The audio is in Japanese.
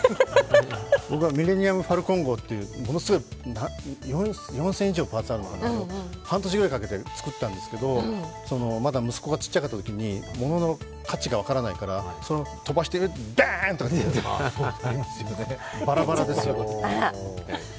僕はミレニアム・ファルコン号という、ものすごい、４０００以上パーツがあるのかな半年以上かけて作ったんですけど、まだ息子が小さいときにものの価値が分からないから、飛ばしてバンとやっちゃってバラバラですよ。